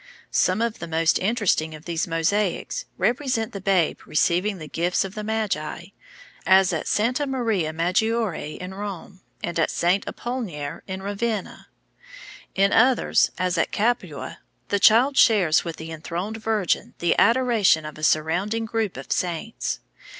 Some of the most interesting of these mosaics represent the Babe receiving the gifts of the Magi, as at Santa Maria Maggiore in Rome and at Saint Apollinare in Ravenna. In others, as at Capua, the Child shares with the enthroned Virgin the adoration of a surrounding group of saints.